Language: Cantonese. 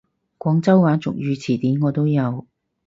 廣州話俗語詞典我都有！